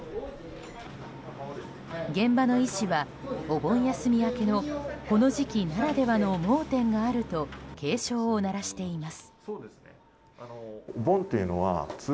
現場の医師は、お盆休み明けのこの時期ならではの盲点があると警鐘を鳴らしています。